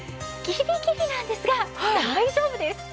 ギリギリなんですが大丈夫です！